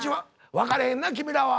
分かれへんな君らは。